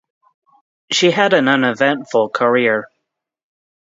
She had an uneventful career.